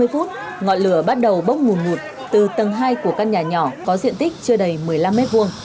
một mươi hai h ba mươi ngọn lửa bắt đầu bốc ngùn ngụt từ tầng hai của căn nhà nhỏ có diện tích chưa đầy một mươi năm m hai